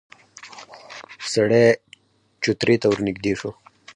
سړی چوترې ته ورنږدې شو.